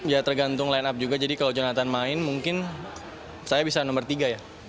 ya tergantung line up juga jadi kalau jonathan main mungkin saya bisa nomor tiga ya